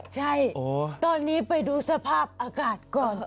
ใช่ตอนนี้ไปดูสภาพอากาศก่อน